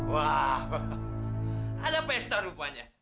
wah ada pesta rupanya